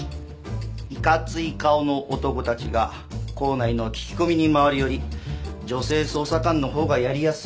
いかつい顔の男たちが校内の聞き込みに回るより女性捜査官の方がやりやすいだろうってね。